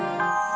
aku sudah lebih